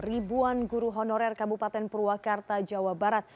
ribuan guru honorer kabupaten purwakarta jawa barat